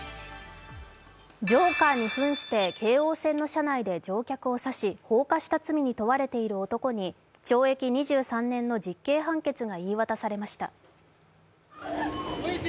ジョーカーにふんして京王線の車内で乗客を刺し放火した罪に問われている男に懲役２３年の実刑判決が言い渡されました。